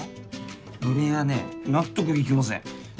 俺はね納得いきません。